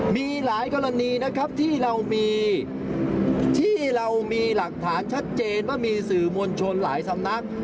มีหลายกรณีนะครับที่เรามีที่เรามีหลักฐานชัดเจนว่ามีสื่อมวลชนหลายสำนัก